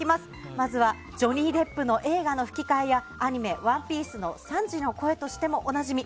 まずはジョニー・デップの映画の吹き替えやアニメ「ＯＮＥＰＩＥＣＥ」のサンジの声としてもおなじみ